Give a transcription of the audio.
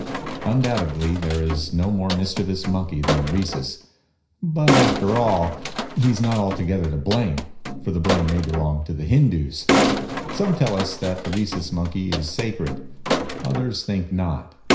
Undoubtedly there is no more mischievous monkey than the Rhesus, but, after all, he is not altogether to blame, for the blame may belong to the Hindoos. Some tell us that the Rhesus Monkey is sacred; others think not.